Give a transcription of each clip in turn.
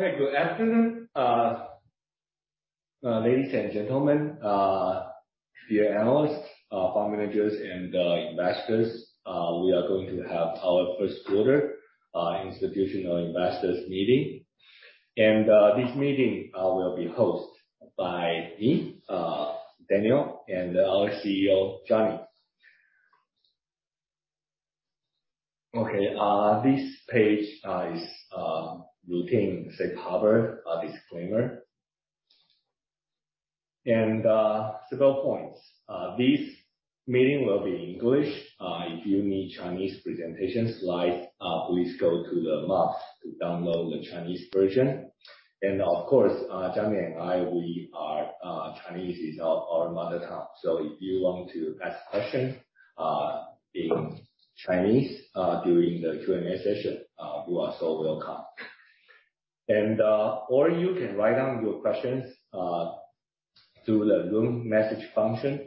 Hey, good afternoon, ladies and gentlemen, dear analysts, fund managers and investors. We are going to have our first quarter institutional investors meeting. This meeting will be hosted by me, Daniel, and our CEO, Johnny. This page is routine, say, covered disclaimer. Several points. This meeting will be English. If you need Chinese presentation slides, please go to the MOPS to download the Chinese version. Of course, Johnny and I, we are Chinese is our mother tongue. If you want to ask questions in Chinese during the Q&A session, you are so welcome. Or you can write down your questions through the Zoom message function.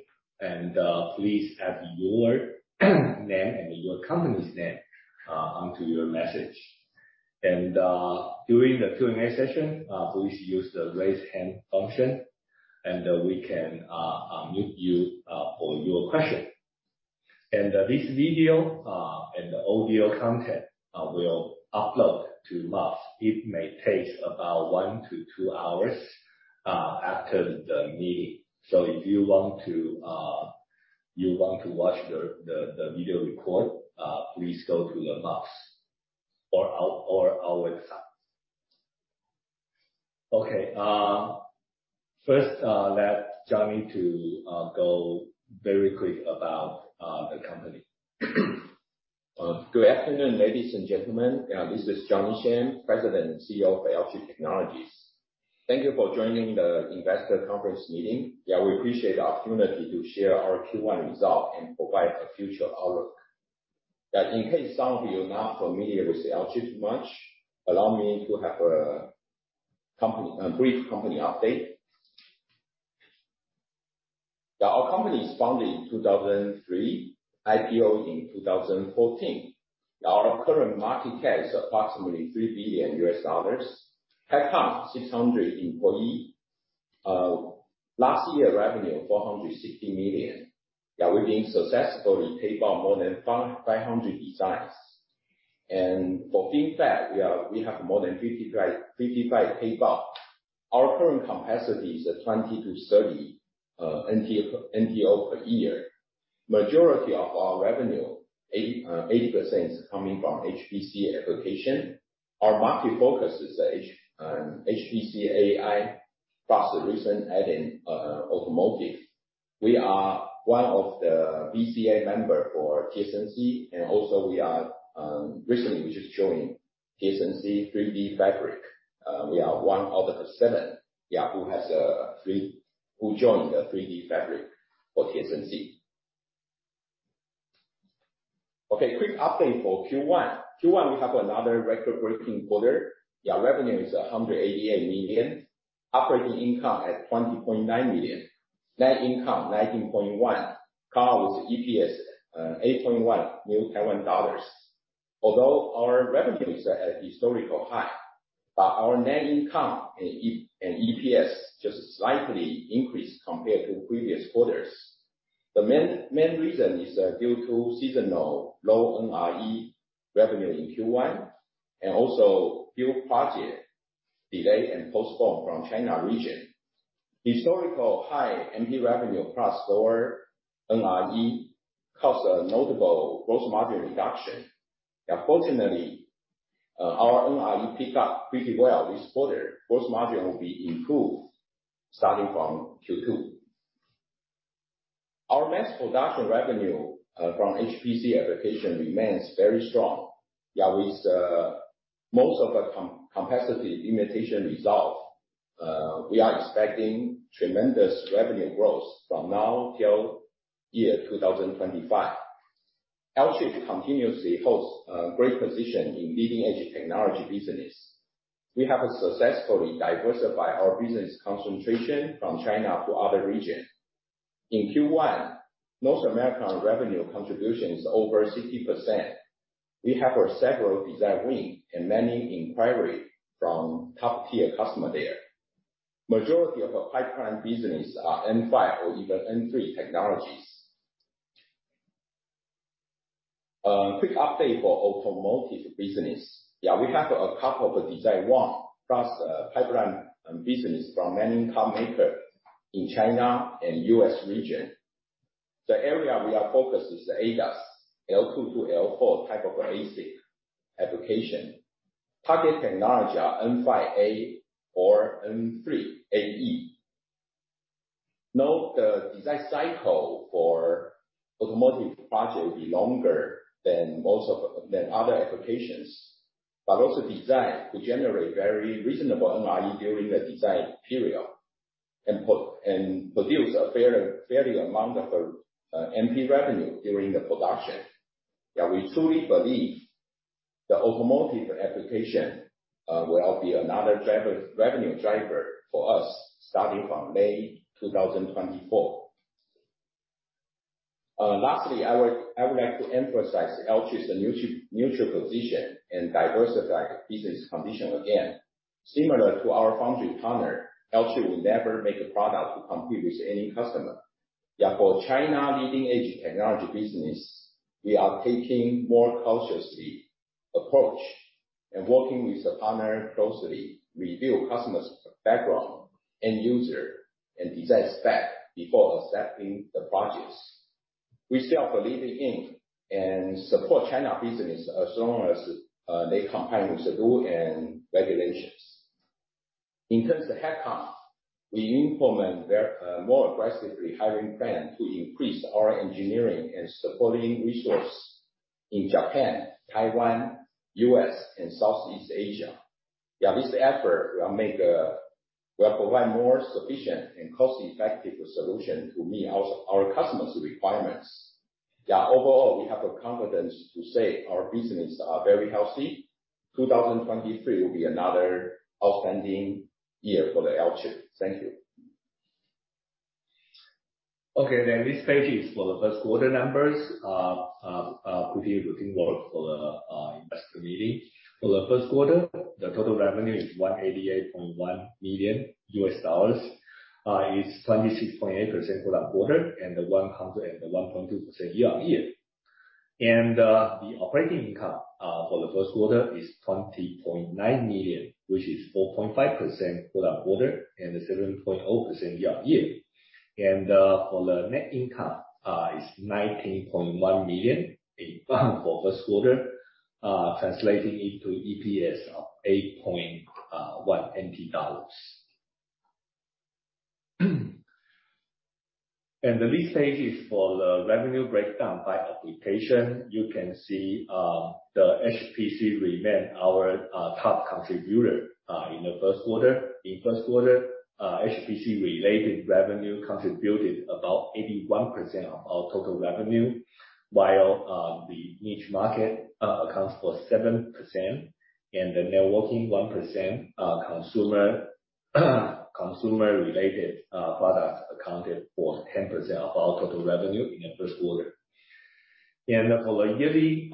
Please add your name and your company's name onto your message. During the Q&A session, please use the Raise Hand function. We can unmute you for your question. This video and audio content will upload to MOPS. It may take about 1-2 hours after the meeting. If you want to watch the video record, please go to the MOPS or our website. First, let Johnny to go very quick about the company. Good afternoon, ladies and gentlemen. This is Johnny Shen, President and CEO of Alchip Technologies. Thank you for joining the investor conference meeting. Yeah, we appreciate the opportunity to share our Q1 result and provide a future outlook. In case some of you are not familiar with Alchip too much, allow me to have a brief company update. Yeah, our company is founded in 2003, IPO in 2014. Our current market cap is approximately $3 billion. Headcount, 600 employee. Last year revenue, $460 million. Yeah, we've been successfully tape out more than 500 designs. For FinFET, we have more than 55 tape out. Our current capacity is at 20-30 NRE per year. Majority of our revenue, 80% is coming from HPC application. Our market focus is HPC/AI, plus recent adding automotive. We are one of the VCA member for TSMC, and also we are recently we just joined TSMC 3DFabric. We are one out of the seven who joined the 3DFabric for TSMC. Quick update for Q1. Q1 we have another record-breaking quarter. Our revenue is 188 million. Operating income at 20.9 million. Net income, 19.1 million. Combined with EPS, 8.1. Although our revenues are at historical high, but our net income and EPS just slightly increased compared to previous quarters. The main reason is due to seasonal low NRE revenue in Q1, also few project delay and postpone from China region. Historical high MP revenue plus lower NRE caused a notable gross margin reduction. Fortunately, our NRE picked up pretty well this quarter. Gross margin will be improved starting from Q2. Our mass production revenue from HPC application remains very strong. With most of our capacity limitation resolved, we are expecting tremendous revenue growth from now till year 2025. Alchip continuously holds a great position in leading-edge technology business. We have successfully diversified our business concentration from China to other regions. In Q1, North American revenue contribution is over 60%. We have a several design win and many inquiry from top-tier customer there. Majority of our pipeline business are N5 or even N3 technologies. Quick update for automotive business. Yeah, we have a couple of design won, plus pipeline business from many car maker in China and US region. The area we are focused is the ADAS, L2-L4 type of ASIC application. Target technology are N5A or N3AE. Note the design cycle for automotive project will be longer than other applications, but also designed to generate very reasonable NRE during the design period, and produce a fair amount of MP revenue during the production. Yeah, we truly believe the automotive application will be another driver, revenue driver for us starting from May 2024. Lastly, I would like to emphasize Alchip's neutral position and diversified business condition again. Similar to our foundry partner, Alchip will never make a product to compete with any customer. For China leading-edge technology business, we are taking more cautiously approach and working with the partner closely, review customers background, end user, and design spec before accepting the projects. We still believe in and support China business as long as they comply with the rule and regulations. In terms of headcount, we implement more aggressively hiring plan to increase our engineering and supporting resource in Japan, Taiwan, U.S., and Southeast Asia. This effort will provide more sufficient and cost-effective solution to meet our customers requirements. Overall, we have the confidence to say our business are very healthy. 2023 will be another outstanding year for Alchip. Thank you. This page is for the first quarter numbers, putting routine work for the investor meeting. For the first quarter, the total revenue is $188.1 million, is 26.8% quarter-over-quarter and 101.2% year-on-year. The operating income for the first quarter is $20.9 million, which is 4.5% quarter-over-quarter and 7.0% year-on-year. For the net income is $19.1 million in for first quarter, translating into EPS of 8.1 NT dollars. The list says it's for the revenue breakdown by application. You can see, the HPC remain our top contributor in the first quarter. In first quarter, HPC related revenue contributed about 81% of our total revenue, while the niche market accounts for 7% and the networking 1% are consumer-related products accounted for 10% of our total revenue in the first quarter. For the yearly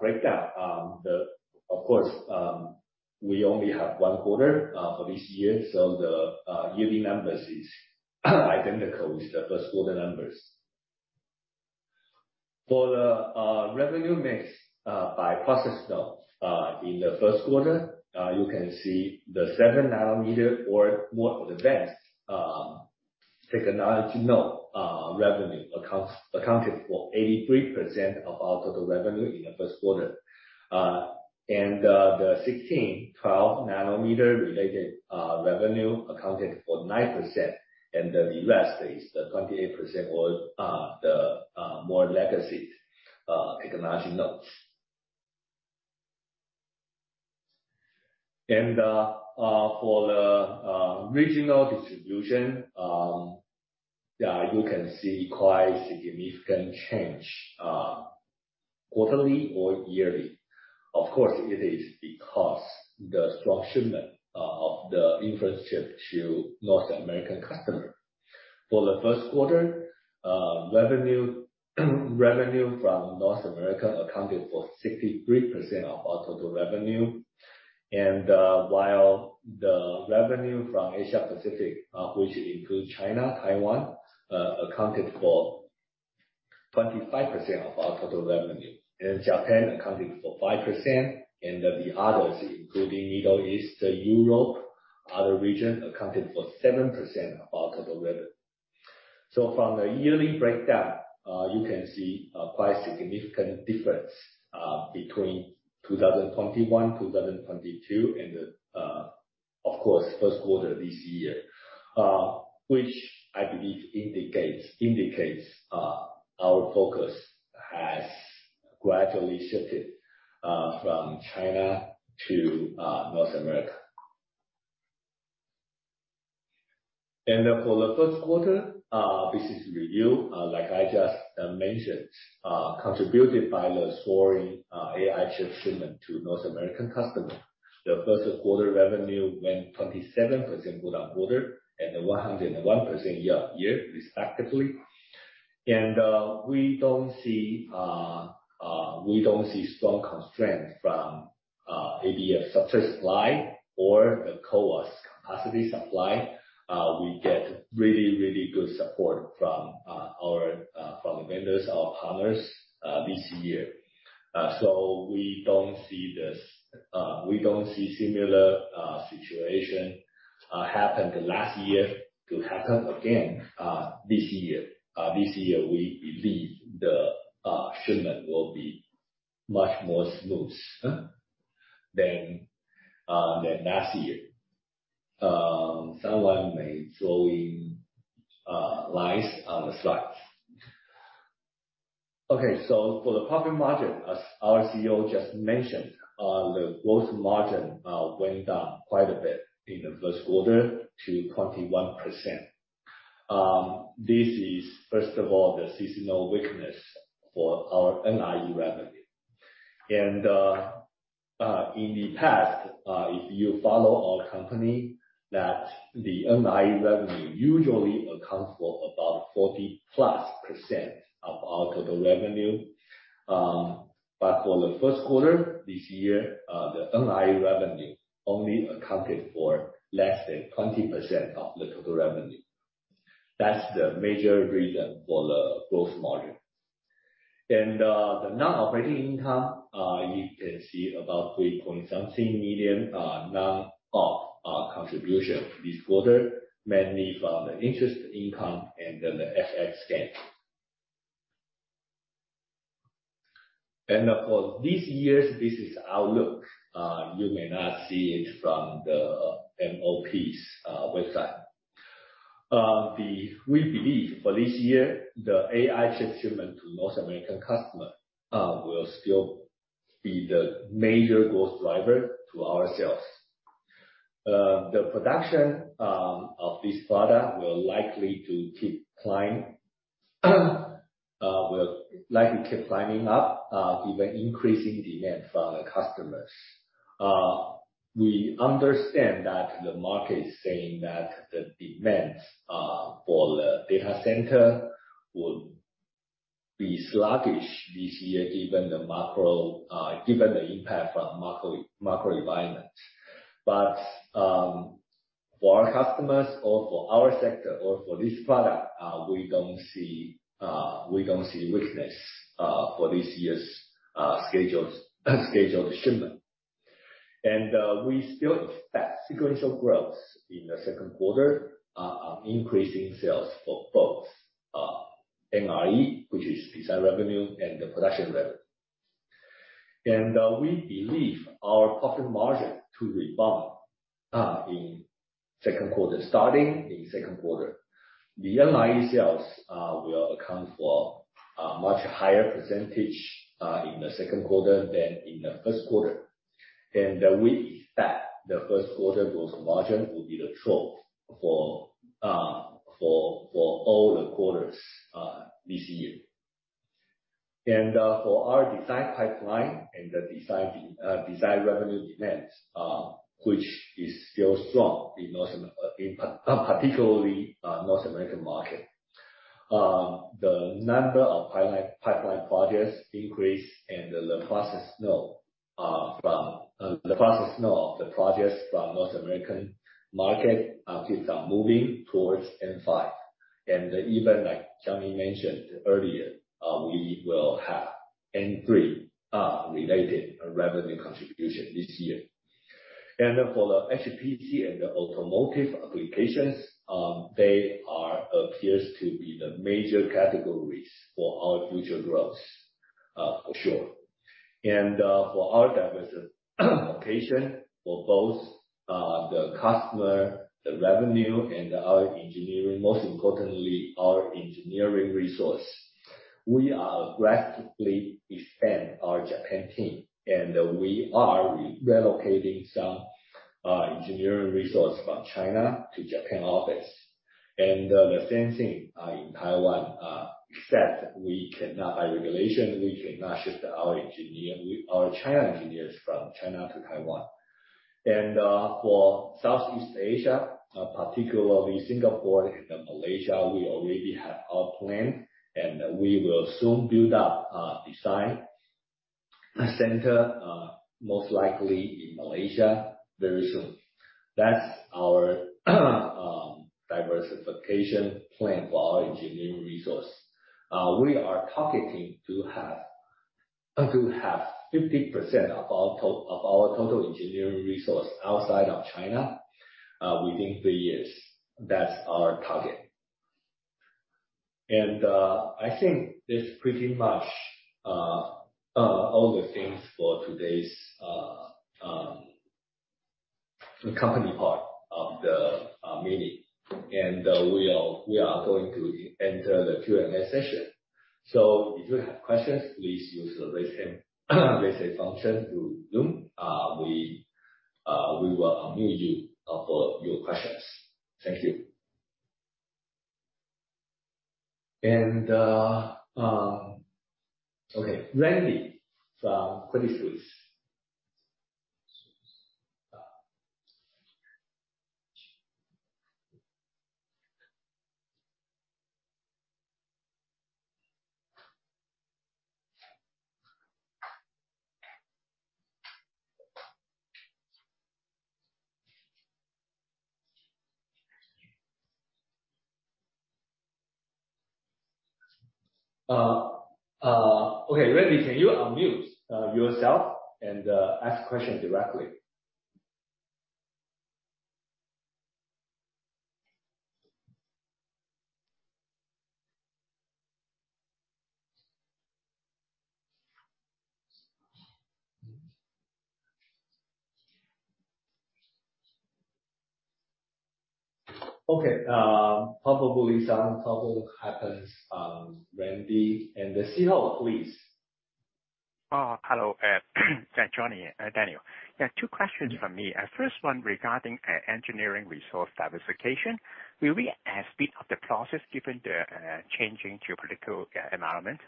breakdown, we only have one quarter for this year, so the yearly numbers is identical with the first quarter numbers. For the revenue mix by process, though, in the first quarter, you can see the 7 nanometer or more advanced technology node revenue accounted for 83% of our total revenue in the first quarter. The 16, 12 nanometer related revenue accounted for 9%, and the rest is the 28% was the more legacy technology nodes. For the regional distribution, yeah, you can see quite significant change quarterly or yearly. Of course, it is because the strong shipment of the infrastructure to North American customer. For the first quarter, revenue from North America accounted for 63% of our total revenue. While the revenue from Asia-Pacific, which include China, Taiwan, accounted for 25% of our total revenue. Japan accounted for 5%. The others, including Middle East, Europe, other region, accounted for 7% of our total revenue. From the yearly breakdown, you can see a quite significant difference between 2021, 2022 and the, of course, first quarter this year, which I believe indicates our focus has gradually shifted from China to North America. For the first quarter business review, like I just mentioned, contributed by the soaring AI chip shipment to North American customer. The first quarter revenue went 27% quarter-over-quarter and 101% year-on-year respectively. We don't see strong constraint from ABF supply or the CoWoS capacity supply. We get really, really good support from the vendors, our partners this year. we don't see this, we don't see similar situation happened last year to happen again this year. This year, we believe the shipment will be much more smooth than last year. Someone may throw in lies on the slides. Okay. For the profit margin, as our CEO just mentioned, the growth margin went down quite a bit in the first quarter to 21%. This is, first of all, the seasonal weakness for our NRE revenue. In the past, if you follow our company that the NRE revenue usually accounts for about 40-plus% of our total revenue. But for the first quarter this year, the NRE revenue only accounted for less than 20% of the total revenue. That's the major reason for the growth margin. The non-operating income, you can see about 3 point something million non-op contribution this quarter, mainly from the interest income and then the FX gains. For this year's business outlook, you may not see it from the MOPS website. We believe for this year, the AI chip shipment to North American customer will still be the major growth driver to our sales. The production of this product will likely keep climbing up, given increasing demand from the customers. We understand that the market is saying that the demands for the data center will be sluggish this year, given the impact from macro environment. For our customers or for our sector or for this product, we don't see weakness for this year's scheduled shipment. We still expect sequential growth in the second quarter on increasing sales for both NRE, which is design revenue, and the production revenue. We believe our profit margin to rebound in second quarter, starting in second quarter. The NRE sales will account for a much higher % in the second quarter than in the first quarter. We expect the first quarter growth margin will be the trough for all the quarters this year. For our design pipeline and the design revenue demands, which is still strong in particularly North American market. The number of pilot pipeline projects increased, and the process know of the projects from North American market keeps on moving towards N5. Even like Johnny mentioned earlier, we will have N3 related revenue contribution this year. For the HPC and the automotive applications, they are appears to be the major categories for our future growth for sure. For our diversification for both the customer, the revenue and our engineering, most importantly, our engineering resource, we are drastically expand our Japan team, and we are relocating some engineering resource from China to Japan office. The same thing in Taiwan, except we cannot, by regulation, we cannot shift our engineer, our China engineers from China to Taiwan. For Southeast Asia, particularly Singapore and Malaysia, we already have our plan, and we will soon build up a design center, most likely in Malaysia very soon. That's our diversification plan for our engineering resource. We are targeting to have 50% of our total engineering resource outside of China within 3 years. That's our target. I think that's pretty much all the things for today's company part of the meeting. We are going to enter the Q&A session. If you have questions, please use the raise hand function to Zoom. We will unmute you for your questions. Thank you. Okay, Randy from Credit Suisse. Okay, Randy, can you unmute yourself and ask question directly? Okay, probably some problem happens, Randy. Shiho, please. Hello, Johnny, Daniel. Two questions from me. First one regarding engineering resource diversification. Will we speed up the process given the changing geopolitical environment?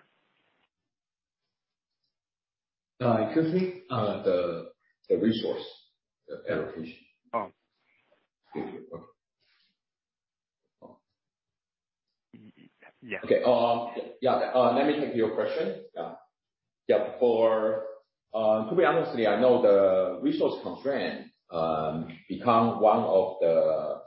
excuse me? the resource allocation. Oh. Thank you. Okay. Oh. Y-y-yeah. Okay. Yeah, let me take your question. Yeah. Yeah, for, to be honestly, I know the resource constraint become one of the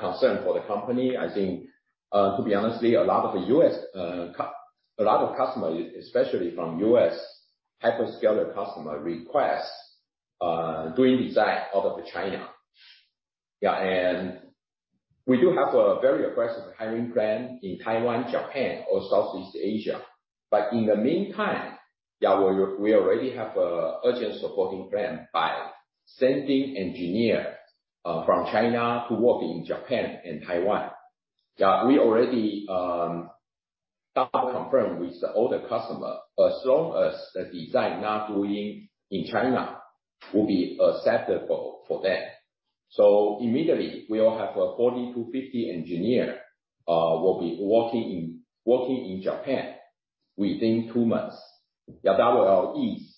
concern for the company. I think, to be honestly, a lot of the U.S., a lot of customers, especially from U.S. hyperscaler customer request, doing design out of China. Yeah. We do have a very aggressive hiring plan in Taiwan, Japan or Southeast Asia. In the meantime, yeah, we already have a urgent supporting plan by sending engineer from China to work in Japan and Taiwan. Yeah, we already double confirmed with the older customer, as long as the design not doing in China will be acceptable for them. Immediately, we'll have a 40 to 50 engineer will be working in Japan within 2 months. Yeah, that will ease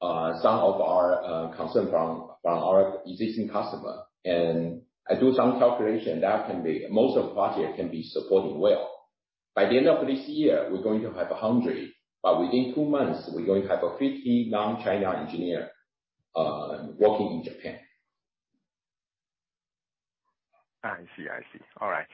some of our concern from our existing customer. I do some calculation that can be. Most of project can be supporting well. By the end of this year, we're going to have 100. Within two months, we're going to have 50 non-China engineer working in Japan. I see. I see. All right.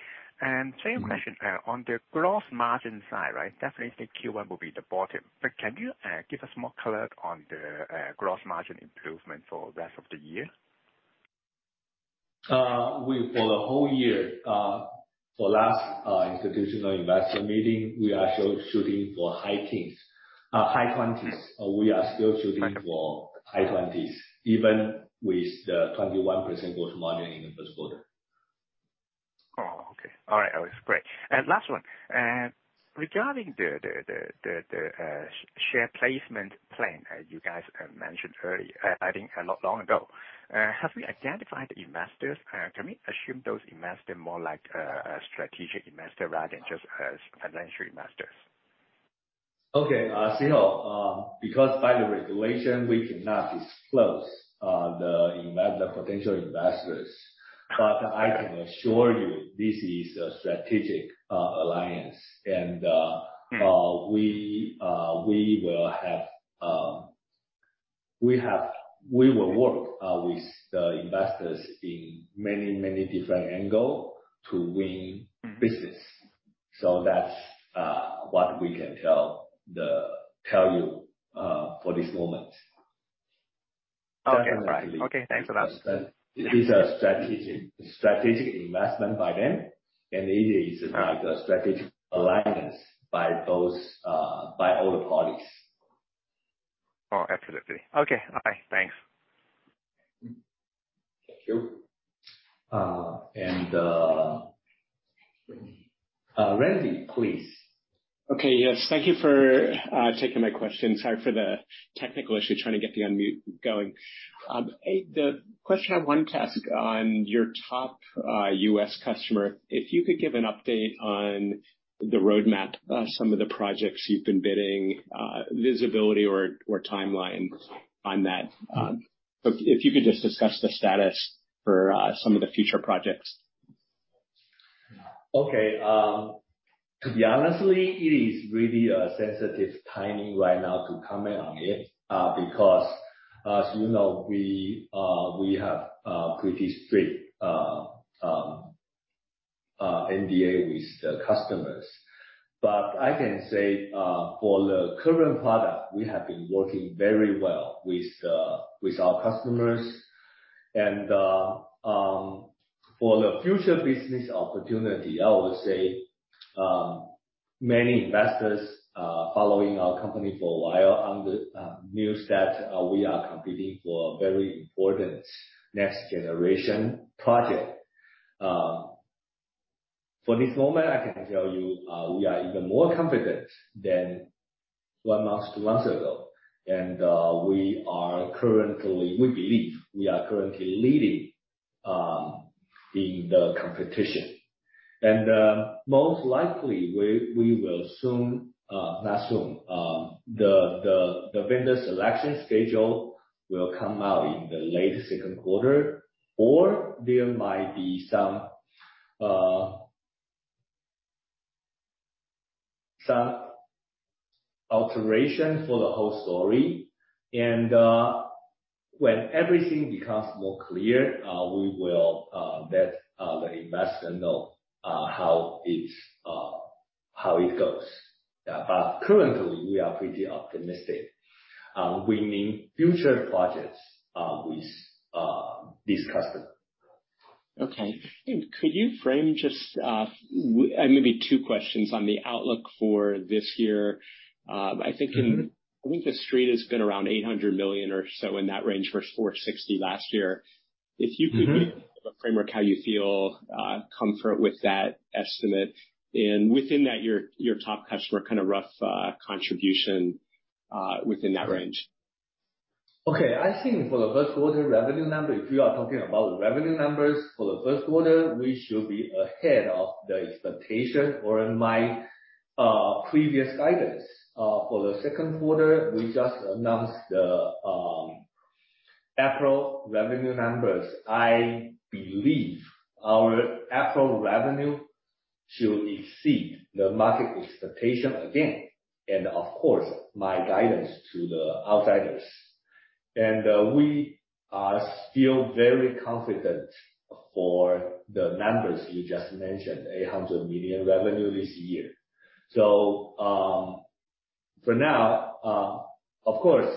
Same question on the gross margin side, right? Definitely the Q1 will be the bottom. Can you give us more color on the gross margin improvement for rest of the year? We for the whole year, for last institutional investor meeting, we are shooting for high teens, high twenties. We are still shooting for high twenties, even with the 21% gross margin in the first quarter. Oh, okay. All right. That was great. Last one. Regarding the share placement plan you guys mentioned early, I think, not long ago, have we identified the investors? Can we assume those investor more like a strategic investor rather than just as financial investors? Okay. Because by the regulation, we cannot disclose the potential investors. I can assure you this is a strategic alliance. We will have, we will work with the investors in many, many different angle to win business. That's what we can tell you for this moment. Okay. Fine. Okay. Thanks for that. It is a strategic investment by them. It is like a strategic alliance by those by all the parties. Oh, absolutely. Okay. All right. Thanks. Thank you. Randy, please. Okay. Yes. Thank you for taking my question. Sorry for the technical issue, trying to get the unmute going. The question I wanted to ask on your top U.S. customer. If you could give an update on the roadmap, some of the projects you've been bidding, visibility or timeline on that. If you could just discuss the status for some of the future projects. Okay. To be honestly, it is really a sensitive timing right now to comment on it, because as you know, we have pretty strict NDA with the customers. I can say, for the current product, we have been working very well with our customers. For the future business opportunity, I would say, many investors following our company for a while on the news that we are competing for a very important next generation project. For this moment, I can tell you, we are even more confident than 1 month, 2 months ago. We believe we are currently leading in the competition. Most likely we will soon, not soon, the vendor selection schedule will come out in the late second quarter, or there might be some alteration for the whole story. When everything becomes more clear, we will let the investor know how it goes. Currently, we are pretty optimistic, winning future projects, with this customer. Okay. Abe, could you frame just, maybe 2 questions on the outlook for this year? I think The Street has been around $800 million or so in that range versus $460 last year. If you could give a framework how you feel, comfort with that estimate. Within that, your top customer kind of rough contribution within that range. Okay. I think for the first quarter revenue number, if you are talking about revenue numbers for the first quarter, we should be ahead of the expectation or in my previous guidance. For the second quarter, we just announced the April revenue numbers. I believe our April revenue should exceed the market expectation again, and of course, my guidance to the outsiders. We are still very confident for the numbers you just mentioned, 800 million revenue this year. For now, of course,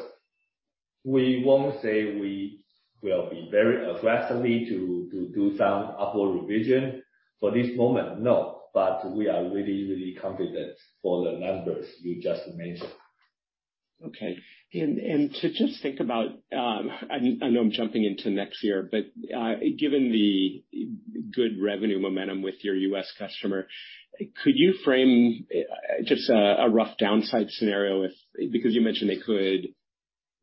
we won't say we will be very aggressively to do some upward revision. For this moment, no, but we are really, really confident for the numbers you just mentioned. Okay. To just think about, I know I'm jumping into next year, given the good revenue momentum with your U.S. customer, could you frame, just a rough downside scenario if. Because you mentioned they could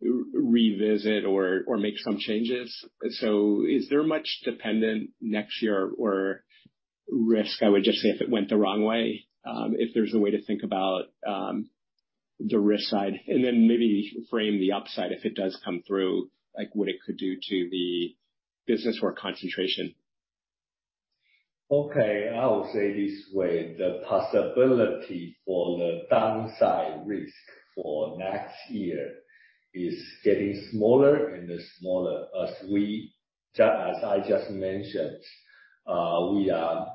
revisit or make some changes. Is there much dependent next year or risk, I would just say, if it went the wrong way, if there's a way to think about, the risk side and then maybe frame the upside if it does come through, like what it could do to the business or concentration. Okay, I will say this way, the possibility for the downside risk for next year is getting smaller and smaller as I just mentioned, we are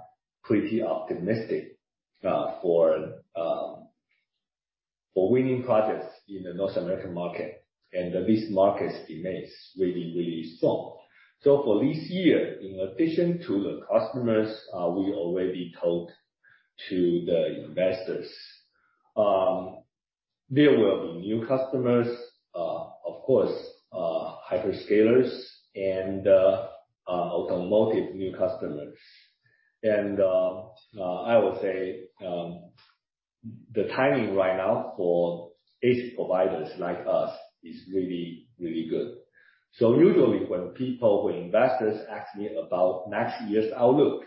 pretty optimistic for winning projects in the North American market and this market demand is really, really strong. For this year, in addition to the customers, we already told to the investors, there will be new customers, of course, hyperscalers and automotive new customers. I will say the timing right now for ASIC providers like us is really, really good. Usually when people, when investors ask me about next year's outlook,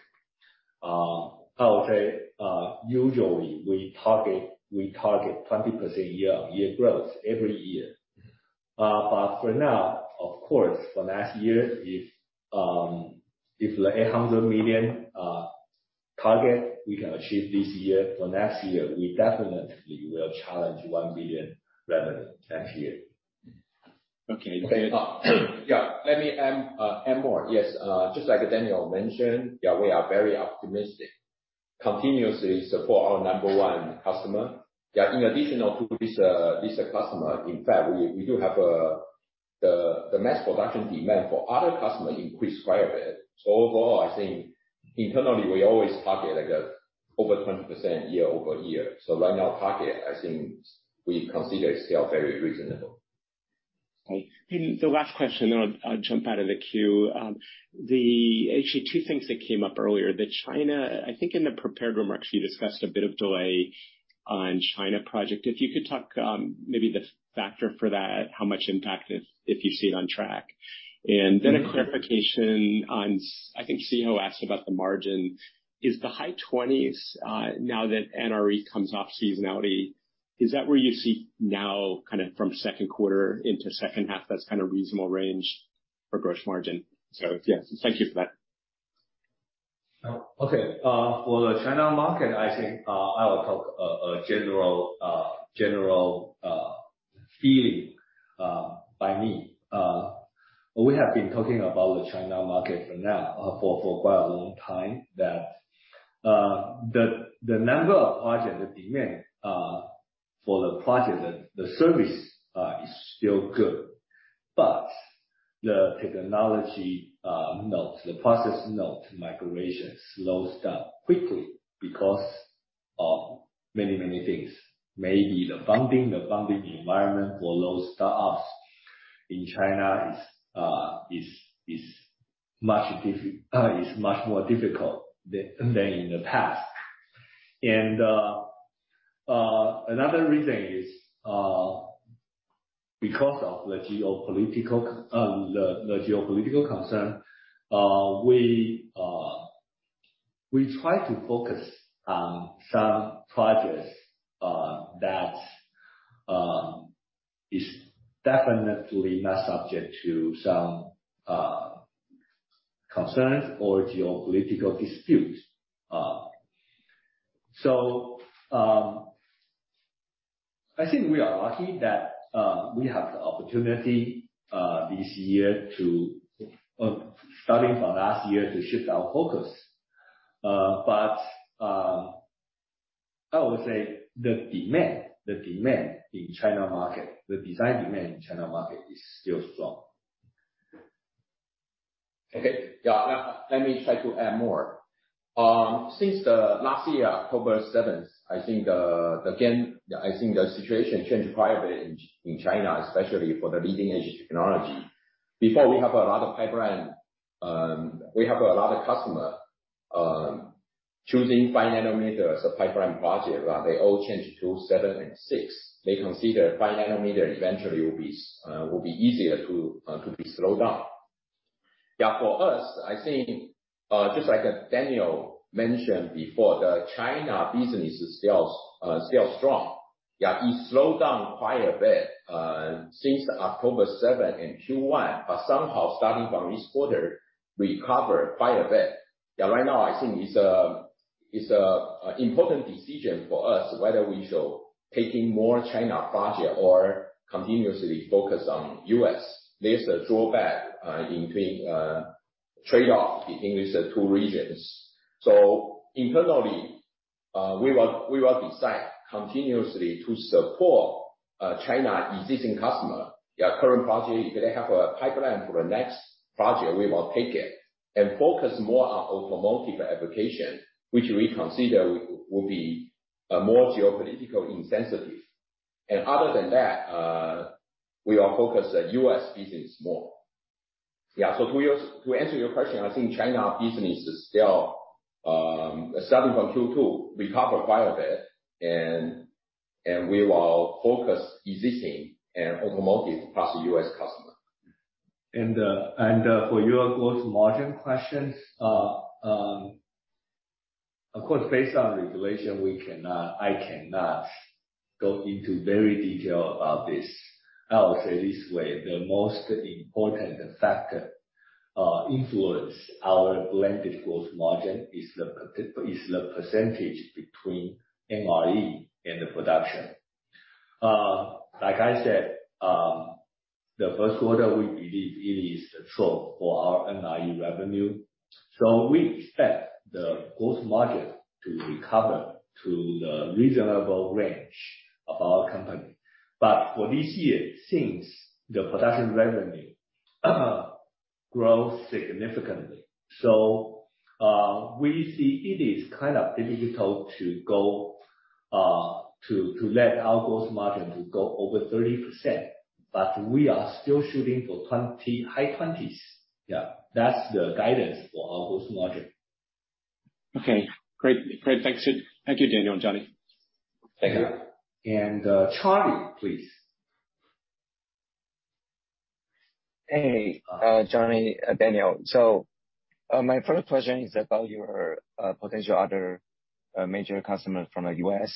I would say usually we target 20% year-on-year growth every year. For now, of course, for next year, if the $800 million target we can achieve this year, for next year, we definitely will challenge $1 billion revenue next year. Okay. Let me add more. Just like Daniel mentioned, yeah, we are very optimistic continuously support our number one customer. In additional to this customer, in fact, we do have, the mass production demand for other customers increased quite a bit. Overall, I think internally we always target, I guess, over 20% year-over-year. Right now, target, I think we consider it still very reasonable. Okay. The last question, then I'll jump out of the queue. Actually two things that came up earlier. The China, I think in the prepared remarks, you discussed a bit of delay on China project. If you could talk, maybe the factor for that, how much impact if you see it on track. Then a clarification on, I think CEO asked about the margin? Is the high 20s, now that NRE comes off seasonality, is that where you see now kinda from second quarter into second half, that's kinda reasonable range for gross margin? Yeah, thank you for that. Okay. For the China market, I think, I will talk, a general feeling, by me. We have been talking about the China market for now, for quite a long time, that, the number of project, the demand, for the project, the service, is still good. The technology, node, the process node migration slowed down quickly because of many things. Maybe the funding, the funding environment for those startups in China is much more difficult than in the past. Another reason is, because of the geopolitical concern, we try to focus on some projects, that, is definitely not subject to some, concerns or geopolitical disputes. I think we are lucky that, we have the opportunity, this year to, starting from last year, to shift our focus. I would say the demand in China market, the design demand in China market is still strong. Okay. Yeah. Let me try to add more. Since the last year, October 7, I think again, I think the situation changed quite a bit in China, especially for the leading-edge technology. Before we have a lot of pipeline, we have a lot of customer choosing 5 nanometer as a pipeline project. They all changed to 7 and 6. They consider 5 nanometer eventually will be easier to be slowed down. For us, I think, just like Daniel mentioned before, the China business is still strong. It slowed down quite a bit since October 7 in Q1. Somehow starting from this quarter, recovered quite a bit. Right now I think it's a important decision for us whether we show taking more China project or continuously focus on US. There's a drawback in between trade-off between these two regions. Internally, we will decide continuously to support China existing customer. Their current project, if they have a pipeline for the next project, we will take it. Focus more on automotive application, which we consider will be more geopolitical insensitive. Other than that, we are focused at US business more. To answer your question, I think China business is still starting from Q-two, recover quite a bit and we will focus existing and automotive plus US customer. For your growth margin questions. Of course, based on regulation, we cannot... I cannot go into very detail about this. I will say this way, the most important factor influence our blended growth margin is the percentage between NRE and the production. Like I said, the first quarter we believe it is slow for our NRE revenue. We expect the growth margin to recover to the reasonable range of our company. For this year, since the production revenue grows significantly, we see it is kind of difficult to let our growth margin to go over 30%. We are still shooting for 20, high 20s. That's the guidance for our growth margin. Okay, great. Great. Thanks. Thank you, Daniel and Johnny. Thank you. Charlie, please. Hey, Johnny, Daniel. My first question is about your potential other major customer from the U.S.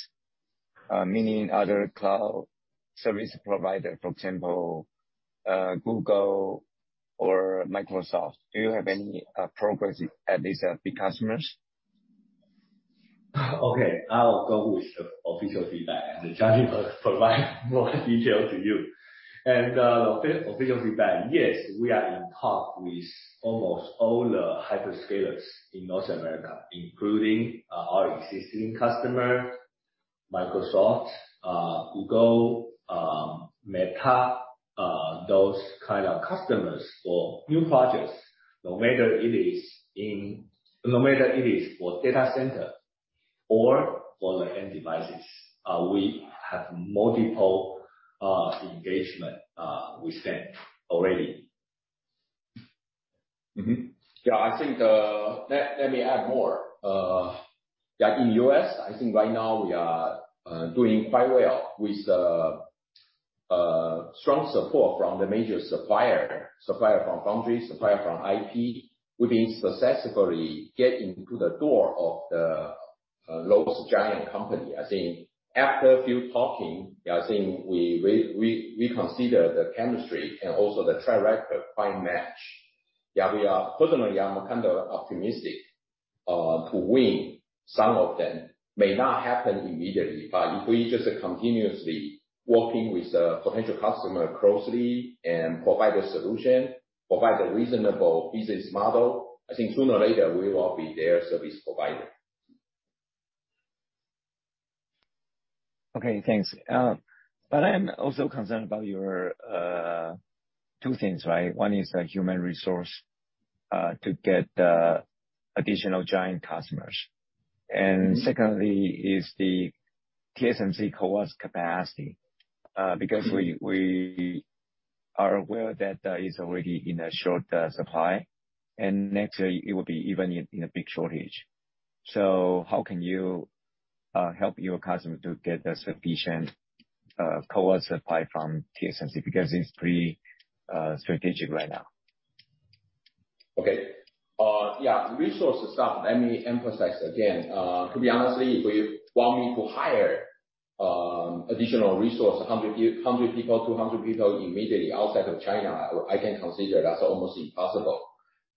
Meaning other cloud service provider, for example, Google or Microsoft. Do you have any progress at these big customers? Okay, I'll go with the official feedback. Johnny will provide more detail to you. Official feedback, yes, we are in talk with almost all the hyperscalers in North America, including our existing customer, Microsoft, Google, Meta, those kind of customers for new projects. No matter it is for data center or for the end devices, we have multiple engagement with them already. I think, let me add more. In U.S., I think right now we are doing quite well with strong support from the major supplier. Supplier from Foundry, supplier from IP. We've been successfully getting to the door of the largest giant company. I think after a few talking, I think we consider the chemistry and also the track record quite match. Personally, I'm kind of optimistic to win some of them. May not happen immediately, but if we just continuously working with a potential customer closely and provide a solution, provide a reasonable business model, I think sooner or later we will be their service provider. Okay, thanks. I am also concerned about your 2 things, right? 1 is the human resource to get additional giant customers. 2nd is the TSMC CoWoS capacity because we are aware that that is already in a short supply, and next year it will be even in a big shortage. How can you help your customer to get the sufficient CoWoS supply from TSMC? Because it's pretty strategic right now. Okay. Yeah, resources stuff, let me emphasize again. to be honestly, if we want me to hire additional resource, 100 people, 200 people immediately outside of China, I can consider that's almost impossible.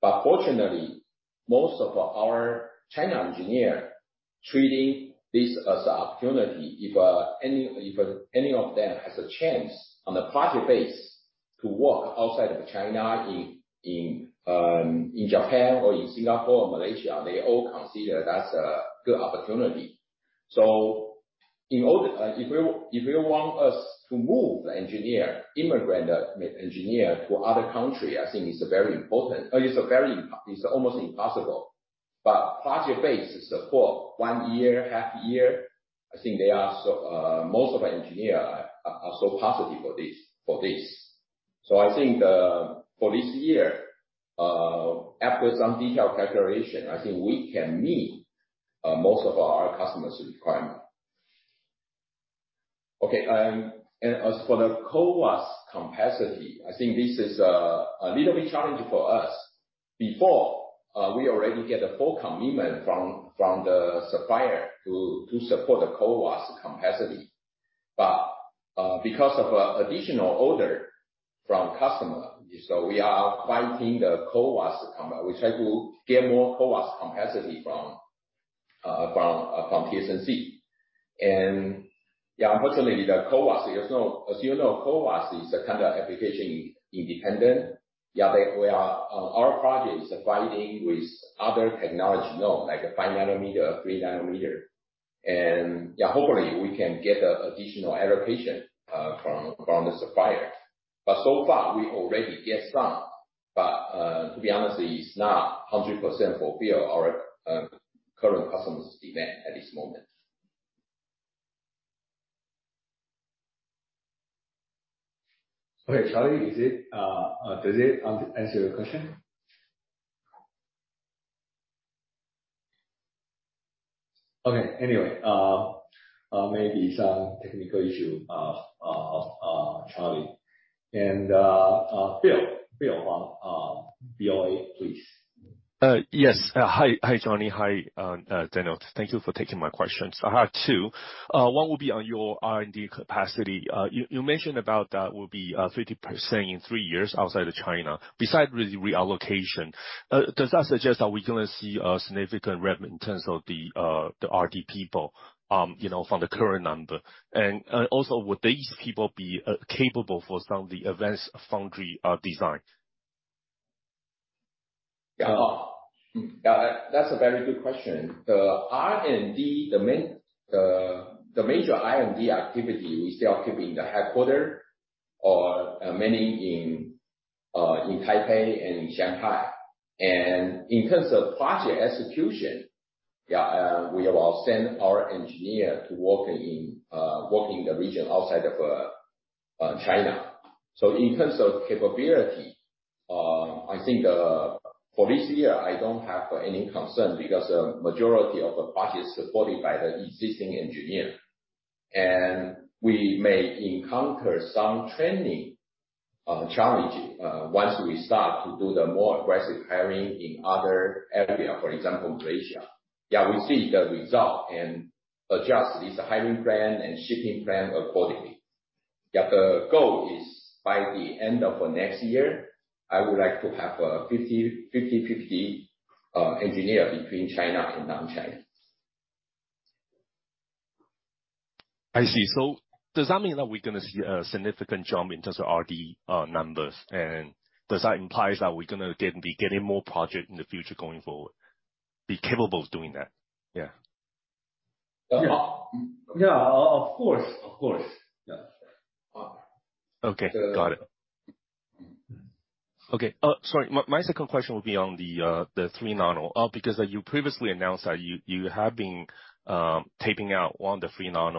Fortunately, most of our China engineer treating this as an opportunity. If any of them has a chance on a project base to work outside of China in Japan or in Singapore or Malaysia, they all consider that's a good opportunity. in order... if you want us to move the engineer, immigrant engineer to other country, I think it's very important. It's almost impossible. Project-based support, one year, half year, I think they are so... Most of our engineer are so positive for this. I think for this year, after some detailed calculation, I think we can meet most of our customers' requirement. Okay. As for the CoWoS capacity, I think this is a little bit challenging for us. Before, we already get a full commitment from the supplier to support the CoWoS capacity. Because of additional order from customer, we are fighting the CoWoS. We try to get more CoWoS capacity from TSMC. Unfortunately, the CoWoS is. As you know, CoWoS is a kind of application independent. We are our project is fighting with other technology known, like a 5 nanometer or 3 nanometer. Hopefully we can get additional allocation from the suppliers. So far, we already get some. To be honest, it's not 100% fulfill our current customer's demand at this moment. Okay, Charlie, is it, does it answer your question? Okay, anyway, maybe some technical issue of Charlie. Bill. Bill, BOE, please. Yes. Hi. Hi, Johnny. Hi, Daniel. Thank you for taking my questions. I have 2. One will be on your R&D capacity. You mentioned about that will be 50% in 3 years outside of China. Besides reallocation, does that suggest are we gonna see a significant revenue in terms of the RD people, you know, from the current number? Also, would these people be capable for some of the advanced foundry design? That's a very good question. The R&D, the main, the major R&D activity we still keep in the headquarters or, many in Taipei and in Shanghai. In terms of project execution, we will send our engineer to work in, work in the region outside of China. In terms of capability, I think for this year, I don't have any concern because the majority of the project is supported by the existing engineer. We may encounter some training challenge once we start to do the more aggressive hiring in other area, for example, Malaysia. We see the result and adjust this hiring plan and shipping plan accordingly. The goal is by the end of next year, I would like to have 50-50 engineer between China and non-China. I see. Does that mean that we're gonna see a significant jump in terms of RD numbers? Does that implies that we're gonna be getting more project in the future going forward? Be capable of doing that? Yeah. Yeah. Yeah. Of course. Of course. Yeah. Okay. Got it. The- Okay, sorry, my second question would be on the 3nm. Because you previously announced that you have been taping out on the 3nm,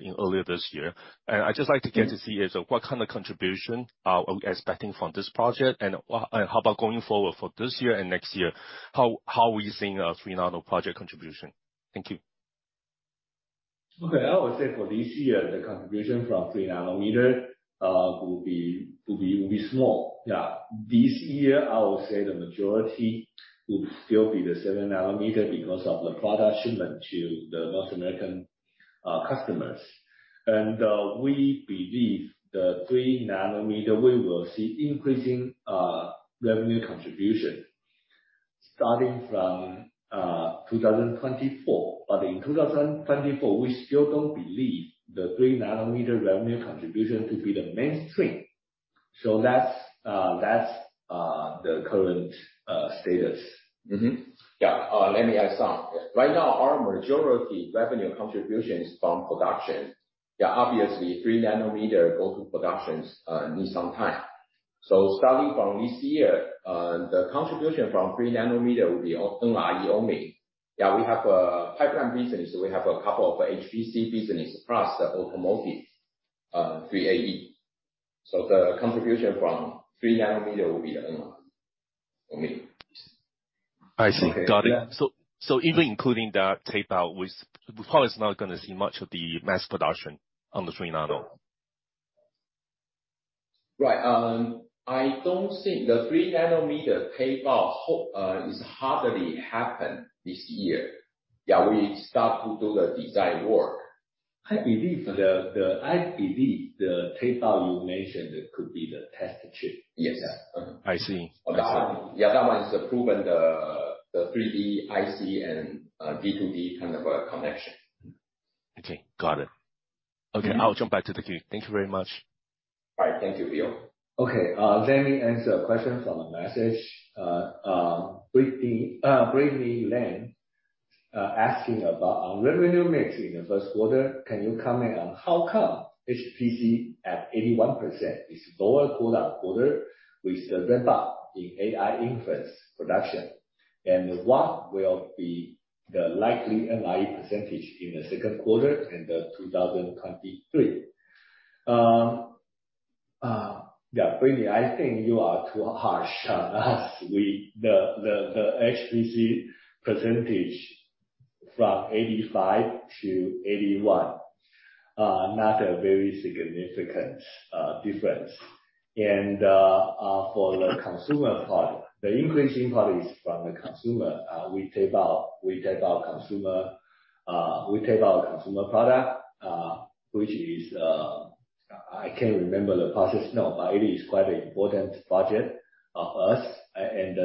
you know, earlier this year. I'd just like to get to see as what kind of contribution are we expecting from this project. How about going forward for this year and next year? How we seeing a 3nm project contribution? Thank you. Okay. I would say for this year, the contribution from 3 nanometer will be small. This year, I would say the majority will still be the 7 nanometer because of the product shipment to the North American customers. We believe the 3 nanometer, we will see increasing revenue contribution starting from 2024. In 2024, we still don't believe the 3 nanometer revenue contribution to be the mainstream. That's the current status. Let me add some. Right now, our majority revenue contribution is from production. Obviously, 3 nanometer go to productions need some time. Starting from this year, the contribution from 3 nanometer will be NRE only. We have a pipeline business. We have a couple of HPC business plus automotive, N3AE. The contribution from 3 nanometer will be NRE only. I see. Got it. Yeah. Even including that tape out, we probably is not going to see much of the mass production on the 3 nano. Right. I don't think the 3 nanometer tape out is hardly happen this year. Yeah, we start to do the design work. I believe the tape out you mentioned could be the test chip. Yes. Yes. I see. I see. Yeah. That one is proven the 3D IC and D2D kind of a connection. Okay. Got it. Okay. I'll jump back to the queue. Thank you very much. All right. Thank you, Bill. Okay, let me answer a question from a message. Brittany Lane, asking about our revenue mix in the first quarter. Can you comment on how come HPC at 81% is lower quarter-over-quarter with the ramp-up in AI inference production? What will be the likely NRE % in the second quarter and 2023? Billy, I think you are too harsh on us with the HPC % from 85% to 81%. Not a very significant difference. For the consumer part, the increasing part is from the consumer, we take our consumer product, which is, I can't remember the process now, but it is quite an important project of us.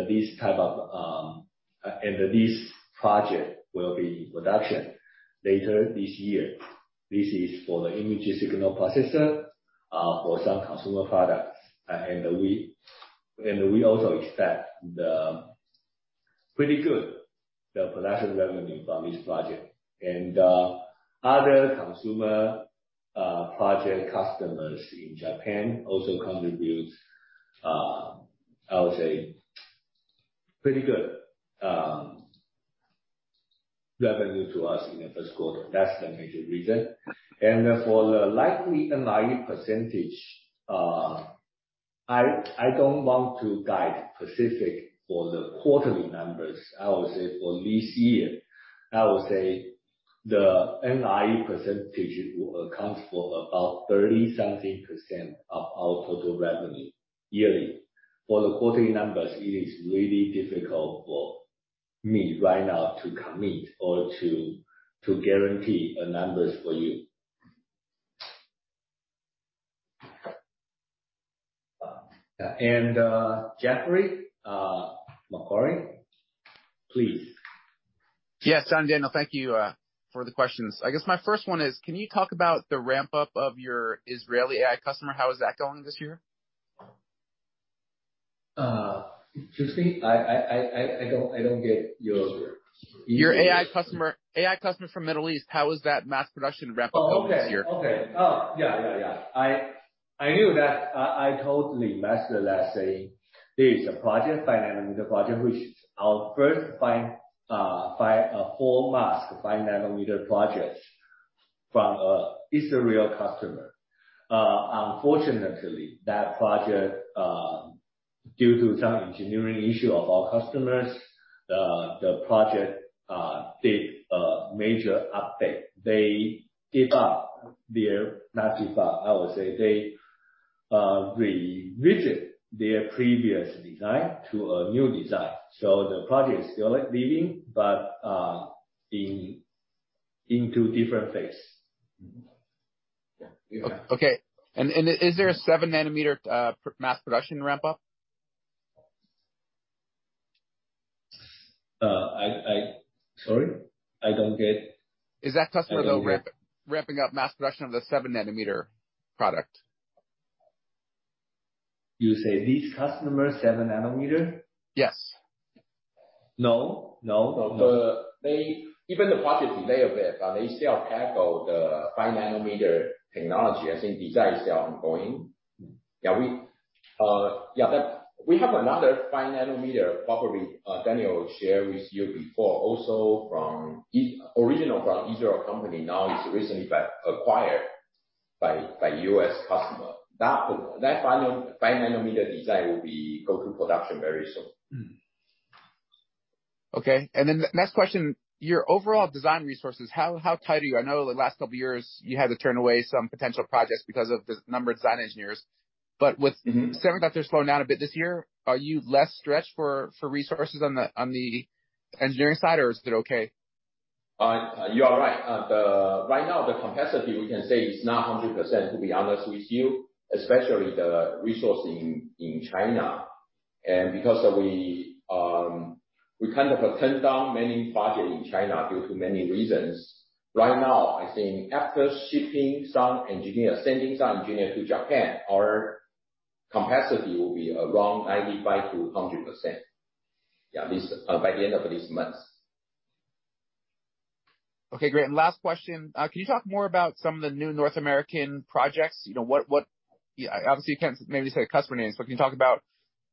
This project will be in production later this year. This is for the image signal processor for some consumer products. We also expect the production revenue from this project. Other consumer project customers in Japan also contribute, I would say pretty good revenue to us in the first quarter. That's the major reason. For the likely NRE percentage, I don't want to guide specific for the quarterly numbers. I would say for this year, I would say the NRE percentage will account for about 30-something% of our total revenue yearly. For the quarterly numbers, it is really difficult for me right now to commit or to guarantee the numbers for you. Jeffrey, Macquarie, please. Yes. Daniel, thank you for the questions. I guess my first one is, can you talk about the ramp-up of your Israeli AI customer? How is that going this year? excuse me? I don't get your Your AI customer from Middle East. How is that mass production ramp up going this year? Okay. Okay. Oh, yeah, yeah. I knew that. I totally must last say there is a 5 nanometer project, which is our first 5 whole mask 5 nanometer project from Israel customer. Unfortunately, that project due to some engineering issue of our customers, the project did a major update. They revisit their previous design to a new design. The project is still living, but in 2 different phase. Yeah. Okay. Is there a 7 nanometer mass production ramp up? Sorry? I don't get. Is that customer, though, ramping up mass production of the 7 nanometer product? You say this customer, 7 nanometer? Yes. No, no. No. Even the project delay a bit, they still tackle the 5 nanometer technology. I think design is still ongoing. Yeah, we have another 5 nanometer, probably, Daniel share with you before. Also from original from Israel company, now it's recently been acquired by U.S. customer. That final 5 nanometer design will be go to production very soon. Okay. Next question, your overall design resources, how tight are you? I know the last couple years you had to turn away some potential projects because of the number of design engineers. Semiconductors slowing down a bit this year, are you less stretched for resources on the engineering side or is it okay? You are right. The, right now the capacity we can say is not 100%, to be honest with you, especially the resource in China. Because we kind of have turned down many budget in China due to many reasons. Right now, I think after shifting some engineers, sending some engineers to Japan, our capacity will be around 95%-100%. Yeah, this, by the end of this month. Okay, great. Last question, can you talk more about some of the new North American projects? You know, Yeah, obviously you can't maybe say customer names, but can you talk about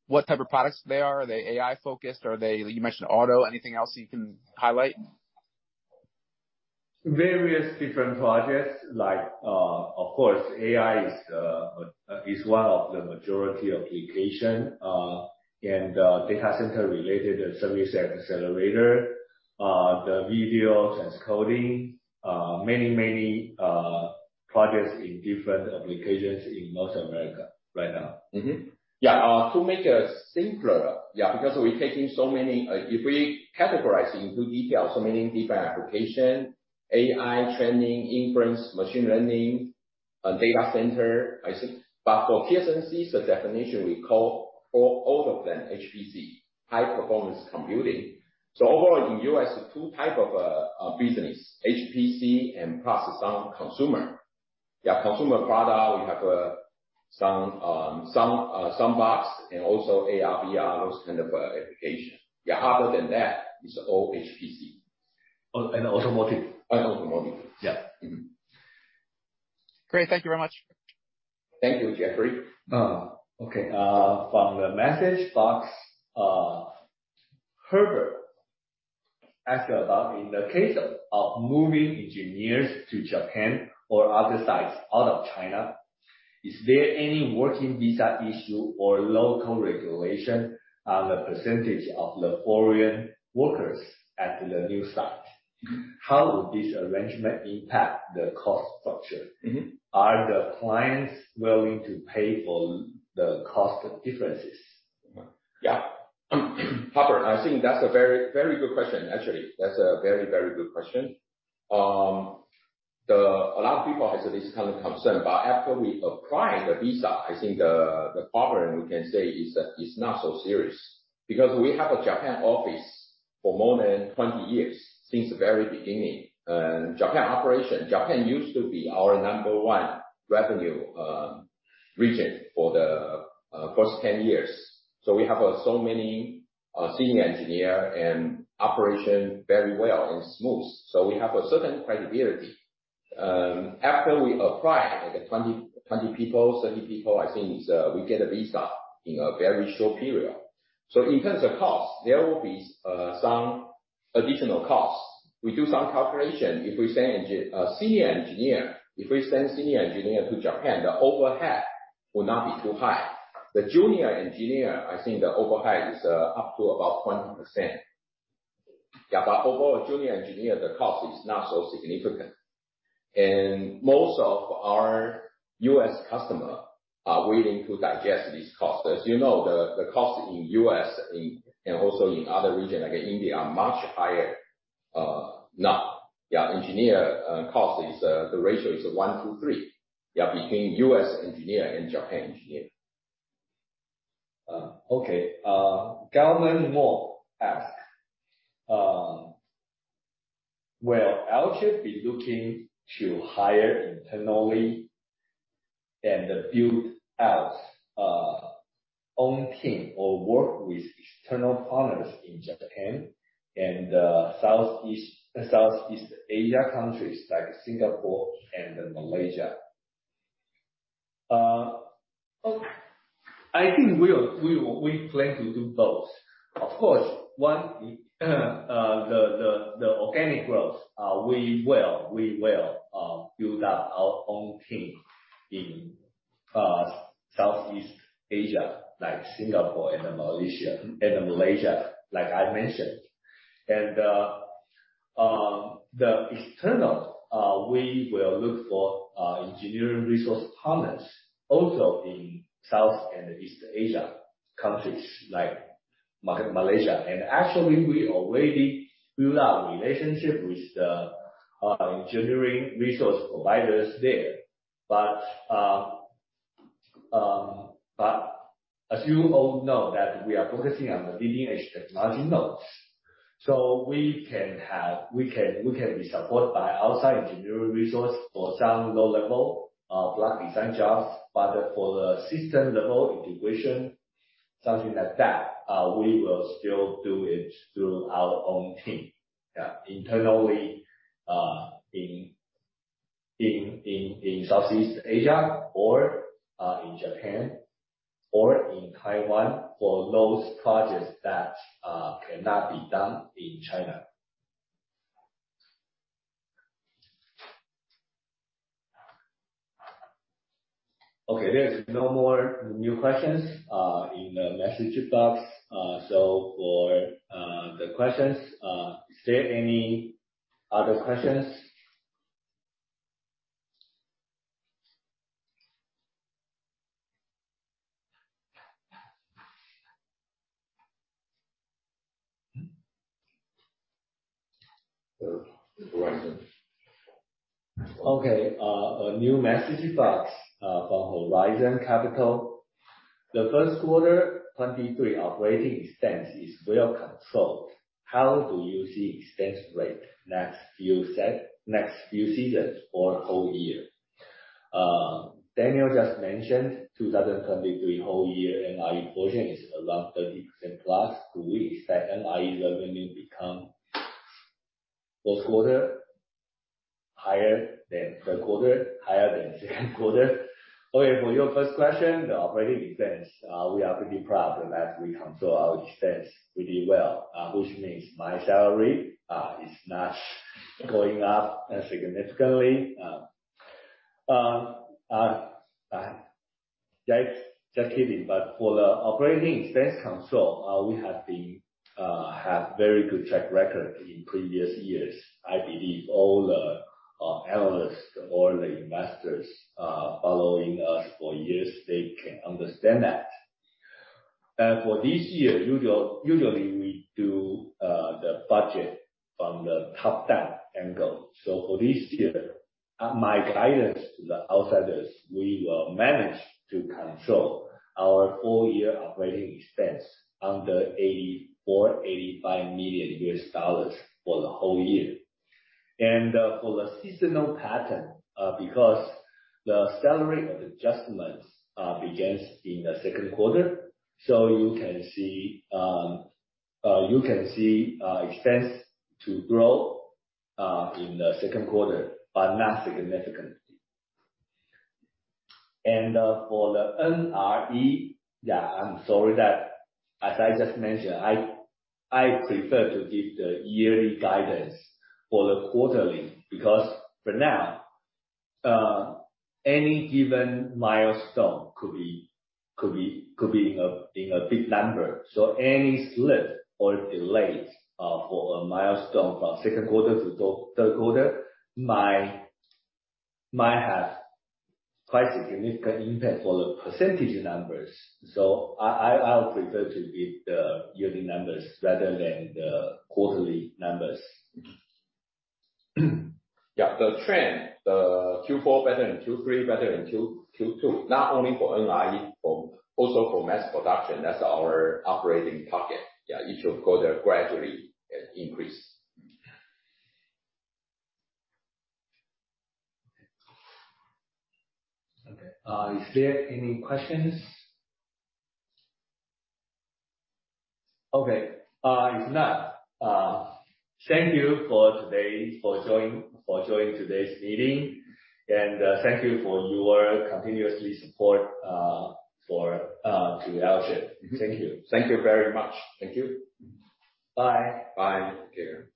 what type of products they are? Are they AI focused? Are they, you mentioned auto. Anything else you can highlight? Various different projects like, of course, AI is one of the majority application, and data center related service accelerator, the video transcoding, many, many projects in different applications in North America right now. Yeah. to make it simpler, yeah, because we're taking so many, if we categorize it into detail, so many different application, AI training, inference, machine learning, data center. For TSMC's definition, we call all of them HPC, high performance computing. Overall, in U.S., two type of business, HPC and plus some consumer. Yeah, consumer product, we have some sandbox and also AR/VR, those kind of application. Yeah, other than that, it's all HPC. automotive. automotive. Yeah. Great. Thank you very much. Thank you, Jeffrey. Okay. From the message box, Herbert asked about in the case of moving engineers to Japan or other sites out of China, is there any working visa issue or local regulation on the percentage of the foreign workers at the new site? How would this arrangement impact the cost structure? Are the clients willing to pay for the cost differences? Yeah. Herbert, I think that's a very, very good question, actually. That's a very, very good question. A lot of people has this kind of concern, after we apply the visa, I think the problem we can say is that it's not so serious. We have a Japan office for more than 20 years, since the very beginning. Japan operation, Japan used to be our number one revenue region for the first 10 years. We have so many senior engineer and operation very well and smooth. We have a certain credibility. After we apply, like 20, 30 people, I think it's we get a visa in a very short period. In terms of cost, there will be some additional costs. We do some calculation. If we send a senior engineer, if we send senior engineer to Japan, the overhead will not be too high. The junior engineer, I think the overhead is up to about 20%. Yeah. Overall, junior engineer, the cost is not so significant. Most of our U.S. customer are willing to digest these costs. As you know, the cost in U.S. and also in other region, like India, are much higher now. Yeah, engineer, cost is, the ratio is 1 to 3, yeah, between U.S. engineer and Japan engineer. Okay. Gavin Moore ask, will Alchip be looking to hire internally and build out own team or work with external partners in Japan and Southeast Asia countries like Singapore and Malaysia? I think we plan to do both. Of course, one, the organic growth, we will build up our own team in Southeast Asia, like Singapore and Malaysia, and Malaysia, like I mentioned. The external, we will look for engineering resource partners also in South and East Asia countries like Malaysia. Actually, we already build our relationship with the engineering resource providers there. As you all know that we are focusing on the leading-edge technology nodes. We can be supported by outside engineering resource for some low-level block design jobs. For the system level integration, something like that, we will still do it through our own team. Internally, in Southeast Asia or, in Japan or in Taiwan for those projects that, cannot be done in China. Okay. There's no more new questions in the message box. Is there any other questions? Horizon. Okay, a new message box from Horizon Capital. The first quarter 23 OpEx is well controlled. How do you see OpEx rate next few seasons or whole year? Daniel just mentioned 2023 whole year NRE portion is around 30%+. Do we expect NRE revenue become fourth quarter higher than third quarter, higher than second quarter? Okay, for your first question, the OpEx, we are pretty proud that we control our expense pretty well, which means my salary is not going up significantly. Just kidding. For the OpEx control, we have been have very good track record in previous years. I believe all the analysts, all the investors, following us for years, they can understand that. For this year, usually we do the budget from the top-down angle. For this year, my guidance to the outsiders, we will manage to control our full year operating expense under $84 million-$85 million for the whole year. For the seasonal pattern, because the salary adjustments begins in the second quarter, you can see expense to grow in the second quarter, but not significantly. For the NRE, yeah, I'm sorry that as I just mentioned, I prefer to give the yearly guidance for the quarterly. Because for now, any given milestone could be in a big number. Any slip or delays for a milestone from second quarter to third quarter might have quite significant impact for the percentage numbers. I'll prefer to give the yearly numbers rather than the quarterly numbers. The trend, the Q4 better than Q3, better than Q2, not only for NRE, also for mass production, that's our operating target. Each quarter gradually increase. Okay. Is there any questions? Okay. If not, thank you for joining today's meeting. Thank you for your continuously support for to Alchip. Thank you. Thank you very much. Thank you. Bye. Bye. Take care.